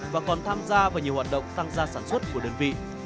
và còn tham gia vào nhiều hoạt động tăng gia sản xuất của đơn vị